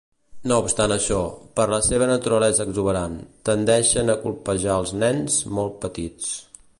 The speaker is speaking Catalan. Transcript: No obstant això, per la seva naturalesa exuberant, tendeixen a colpejar als nens molt petits.